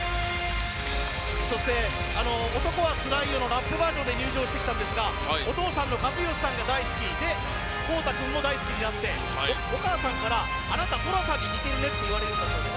そして、「男はつらいよ」のラップバージョンで入場してきましたがお父さんの知良さんが大好きで孝太君も大好きになってお母さんから、あなた寅さんに似ているねと言われたそうです。